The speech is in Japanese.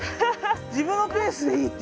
自分のペースでいいって。